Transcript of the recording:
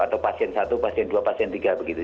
atau pasien satu pasien dua pasien tiga begitu